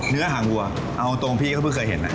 เนื้อหางวัวเอาตรงพี่ก็เพิ่งเคยเห็นนะ